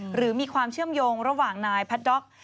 หรือมีความเชื่อมโยงระหว่างนายพัทด็อก